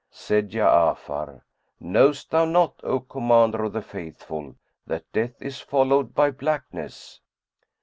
Said Ja'afar "Knowest thou not, O Commander of the Faithful, that death is followed by blackness?"